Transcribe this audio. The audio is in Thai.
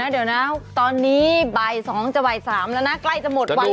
เดี๋ยวนะตอนนี้บ่าย๒จะบ่าย๓แล้วนะใกล้จะหมดวัน